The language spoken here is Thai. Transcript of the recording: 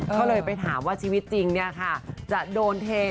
เขาเลยไปถามว่าชีวิตจริงจะโดนเท